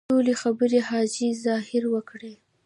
ټولې خبرې حاجي ظاهر وکړې.